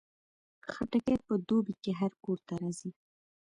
خټکی په دوبۍ کې هر کور ته راځي.